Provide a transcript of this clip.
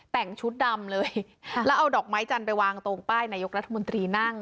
แต่งชุดดำเลยแล้วเอาดอกไม้จันทร์ไปวางตรงป้ายนายกรัฐมนตรีนั่ง